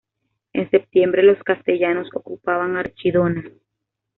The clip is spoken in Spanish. En septiembre los castellanos ocupaban Archidona.